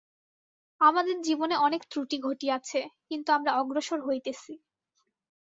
আমাদের জীবনে অনেক ত্রুটি ঘটিয়াছে, কিন্তু আমরা অগ্রসর হইতেছি।